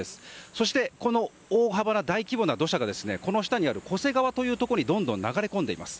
そして、大幅な大規模な土砂がこの下にある巨瀬川というところにどんどん流れ込んでいます。